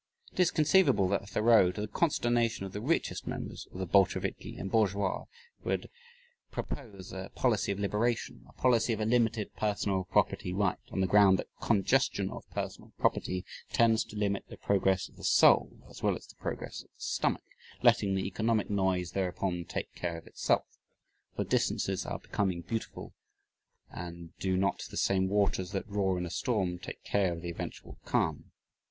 It is conceivable that Thoreau, to the consternation of the richest members of the Bolsheviki and Bourgeois, would propose a policy of liberation, a policy of a limited personal property right, on the ground that congestion of personal property tends to limit the progress of the soul (as well as the progress of the stomach) letting the economic noise thereupon take care of itself for dissonances are becoming beautiful and do not the same waters that roar in a storm take care of the eventual calm?